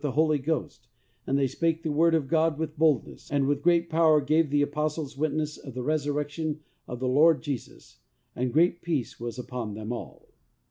85 the Holy Ghost, and they spake the word of God with boldness, and with great power gave the apostles witness of the resur rection of the Lord Jesus, and great peace was upon them all."